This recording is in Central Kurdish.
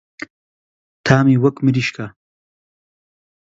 تامی وەک مریشکە.